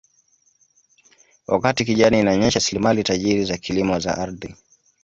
Wakati kijani inaonyesha rasilimali tajiri za kilimo za ardhi